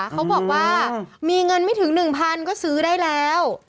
เขาบอกว่ามีเงินไม่ถึง๑๐๐๐ก็ซื้อได้แล้ว